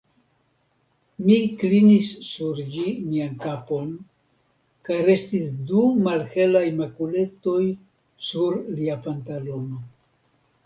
Mi klinis sur ĝi mian kapon kaj restis du malhelaj makuletoj sur lia pantalono.